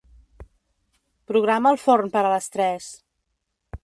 Programa el forn per a les tres.